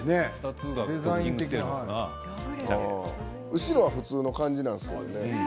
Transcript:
後ろは普通な感じなんですよ。